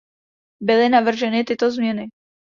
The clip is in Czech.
Byly navrženy tyto změny.